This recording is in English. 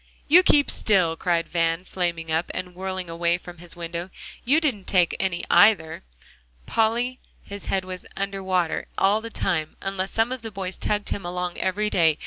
"You keep still," cried Van, flaming up, and whirling away from his window. "You didn't take any, either. Polly, his head was under water all the time, unless some of the boys tugged him along every day.